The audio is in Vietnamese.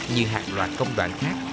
như hạt loạt công đoạn khác